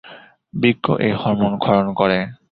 বৃক্ক এই হরমোন ক্ষরণ করে।